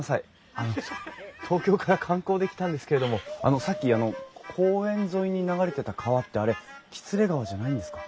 あの東京から観光で来たんですけれどもあのさっきあの公園沿いに流れてた川ってあれ喜連川じゃないんですか？